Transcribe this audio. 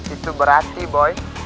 itu berarti boy